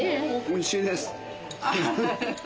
おいしいです。